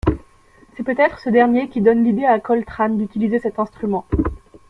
C'est peut-être ce dernier qui donne l'idée à Coltrane d'utiliser cet instrument.